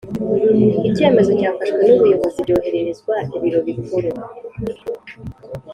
Icyemezo cyafashwe n’ubuyobozi byohererezwa ibiro bikuru